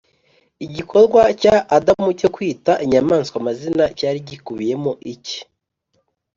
Igikorwa cya Adamu cyo kwita inyamaswa amazina cyari gikubiyemo iki